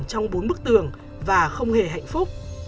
trong bốn bức tường và không hề hạnh phúc